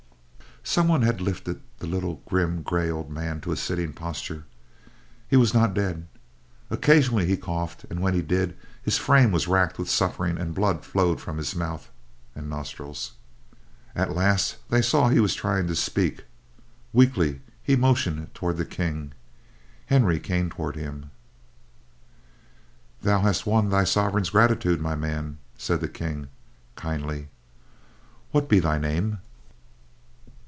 Someone had lifted the little, grim, gray, old man to a sitting posture. He was not dead. Occasionally he coughed, and when he did, his frame was racked with suffering, and blood flowed from his mouth and nostrils. At last they saw that he was trying to speak. Weakly he motioned toward the King. Henry came toward him. "Thou hast won thy sovereign's gratitude, my man," said the King, kindly. "What be thy name?"